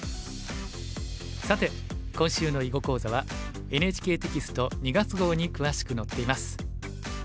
さて今週の囲碁講座はＮＨＫテキスト２月号に詳しく載っています。